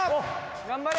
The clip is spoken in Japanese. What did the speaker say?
頑張れ！